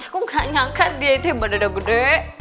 aku gak nyangka dia itu yang badada gede